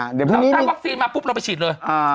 เราตั้งวัคซีนมาปุ๊บเราไปฉีดเลย